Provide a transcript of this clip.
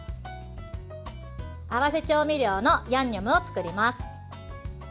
合わせ調味料のヤンニョムを作ります。